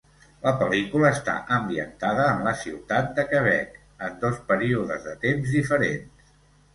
La pel·lícula està ambientada en la ciutat de Quebec, en dos períodes de temps diferents.